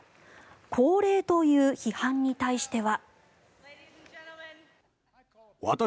高齢という批判に対しては。